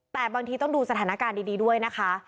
แต่บางทีต้องดูสถานการณ์ดีด้วยนะคะ